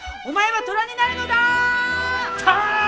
お前は虎になるのだー！